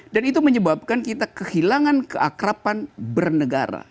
dan itu menyebabkan kita kehilangan keakrapan bernegara